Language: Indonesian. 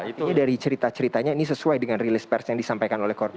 ini dari cerita ceritanya ini sesuai dengan rilis pers yang disampaikan oleh korban